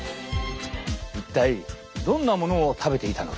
一体どんなものを食べていたのか？